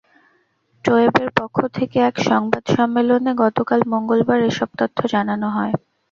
টোয়েবের পক্ষ থেকে এক সংবাদ সম্মেলনে গতকাল মঙ্গলবার এসব তথ্য জানানো হয়।